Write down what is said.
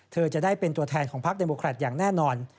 เธอจะได้เป็นตัวแทนของพักเดโมแครตอย่างแน่นอน